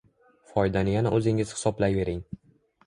Foydani yana o‘zingiz hisoblayvering!